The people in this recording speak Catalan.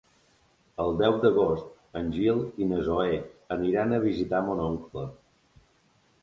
El deu d'agost en Gil i na Zoè aniran a visitar mon oncle.